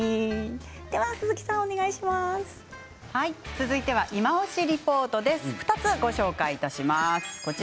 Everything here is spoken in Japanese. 続いては「いまオシ！ＲＥＰＯＲＴ」２つご紹介します。